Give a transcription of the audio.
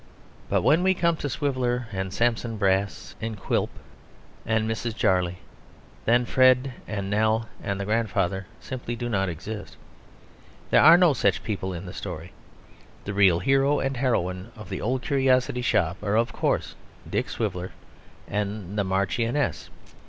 But when we come to Swiveller and Sampson Brass and Quilp and Mrs. Jarley, then Fred and Nell and the grandfather simply do not exist. There are no such people in the story. The real hero and heroine of The Old Curiosity Shop are of course Dick Swiveller and the Marchioness.